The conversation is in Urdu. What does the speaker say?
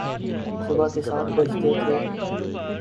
صبح کے سات بجتے تھے۔